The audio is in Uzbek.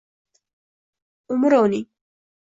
Umri uning